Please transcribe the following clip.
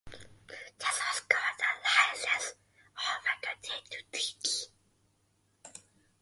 This was called the licence or faculty to teach.